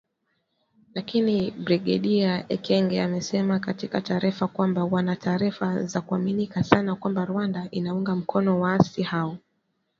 Lakini Brigedia Ekenge amesema katika taarifa kwamba “wana taarifa za kuaminika sana kwamba Rwanda inaunga mkono waasi hao